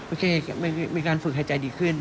มีการฝึกหายใจดีขึ้น